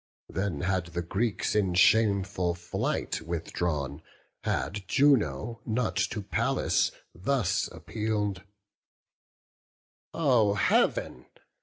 Then had the Greeks in shameful flight withdrawn, Had Juno not to Pallas thus appeal'd: "Oh Heav'n!